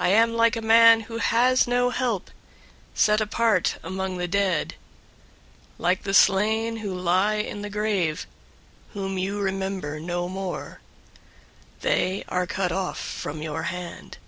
I am like a man who has no help, 088:005 set apart among the dead, like the slain who lie in the grave, whom you remember no more. They are cut off from your hand.